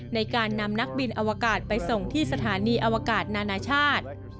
ในการนำนักบินอวกาศไปส่งที่สถานีอวกาศนานาชาติ